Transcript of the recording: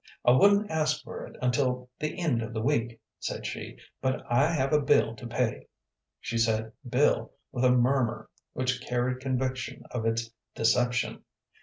"I wouldn't ask for it until the end of the week," said she, "but I have a bill to pay." She said "bill" with a murmur which carried conviction of its deception.